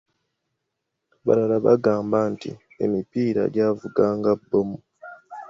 Abalala baagamba nti emipiira gyavuga nga bbomu.